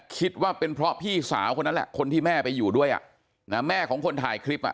คิดว่าเป็นเพราะพี่สาวคนนั้นแหละคนที่แม่ไปอยู่ด้วยอ่ะนะแม่ของคนถ่ายคลิปอ่ะ